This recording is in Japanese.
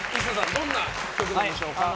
どんな曲でしょうか？